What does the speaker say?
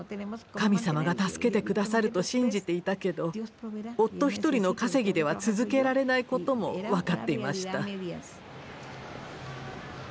神様が助けてくださると信じていたけど夫一人の稼ぎでは続けられないことも分かっていました。